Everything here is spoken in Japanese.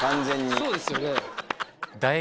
そうですよね。